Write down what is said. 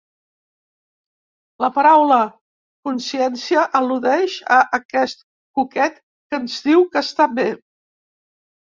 La paraula consciència al·ludeix a aquest cuquet que ens diu què està bé.